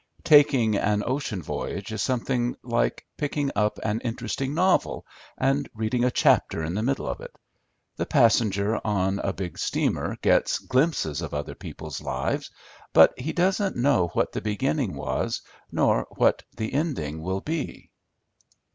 Taking an ocean voyage is something like picking up an interesting novel, and reading a chapter in the middle of it. The passenger on a big steamer gets glimpses of other people's lives, but he doesn't know what the beginning was, nor what the ending will be.